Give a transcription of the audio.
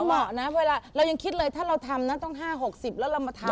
มันเป็นจังหวะมองนะเวลาเรายังคิดเลยถ้าเราทำต้อง๕๖๐แล้วมาทำ